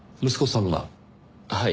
はい。